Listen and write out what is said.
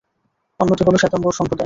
অন্যটি হলো শ্বেতাম্বর সম্প্রদায়।